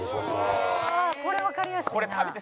これわかりやすいな。